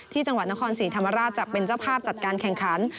ที่จังหวัดนครศรีธรรมราชจะเป็นเจ้าภาพจัดการแข่งขัน